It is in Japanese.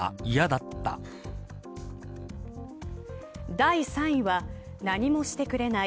第３位は何もしてくれない。